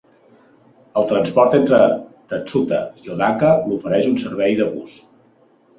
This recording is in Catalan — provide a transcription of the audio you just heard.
El transport entre Tatsuta i Odaka l'ofereix un servei de bus.